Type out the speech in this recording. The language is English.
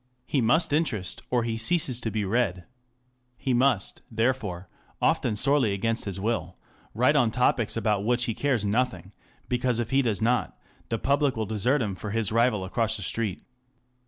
He must interest, or he ceases to be read. He must therefore, often sorely against his will, write on topics about which he cares nothing, because if he does not, the public will desert him for his rival across the street.